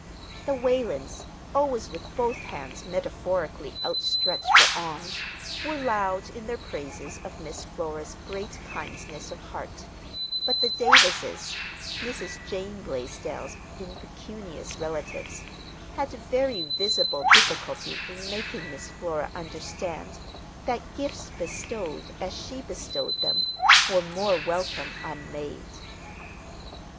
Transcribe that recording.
The Whalens, always with both hands metaphorically outstretched for alms, were loud in their praises of Miss Flora's great kindness of heart; but the Davises (Mrs. Jane Blaisdell's impecunious relatives) had very visible difficulty in making Miss Flora understand that gifts bestowed as she bestowed them were more welcome unmade.